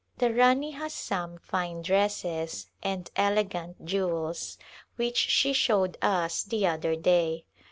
The Rani has some fine dresses and elegant jewels, which she showed us the other day.